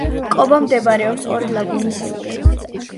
კობა მდებარეობს ორი ლაგუნის ირგვლივ.